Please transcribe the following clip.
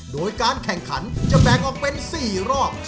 โดยการแข่งขันจะแบ่งออกเป็น๔รอบ